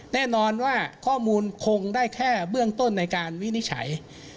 แน่นอนว่าข้อมูลคงได้แค่เบื้องต้นในการวินิจฉัย